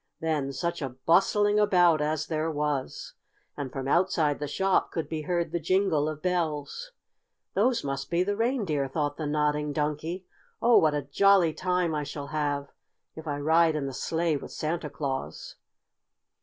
Then such a bustling about as there was! And from outside the shop could be heard the jingle of bells. "Those must be the reindeer," thought the Nodding Donkey. "Oh, what a jolly time I shall have if I ride in the sleigh with Santa Claus!"